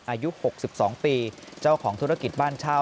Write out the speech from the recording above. อายุ๖๒ปีเจ้าของธุรกิจบ้านเช่า